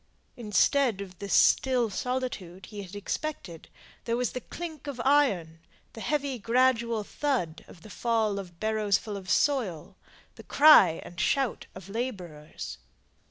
Instead of the still solitude he had expected, there was the clink of iron, the heavy gradual thud of the fall of barrows ful of soil the cry and shout of labourers.